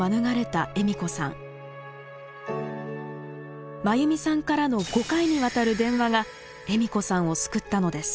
真由美さんからの５回にわたる電話が栄美子さんを救ったのです。